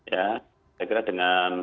ya saya kira dengan